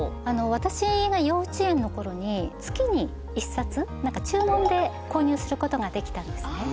私が幼稚園のころに月に１冊注文で購入することができたんですね。